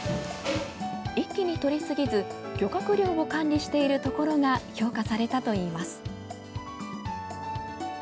一気にとりすぎず漁獲量を管理しているところが評価されたといいます。